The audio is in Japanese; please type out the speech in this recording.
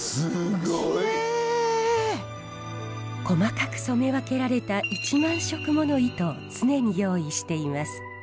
細かく染め分けられた１万色もの糸を常に用意しています。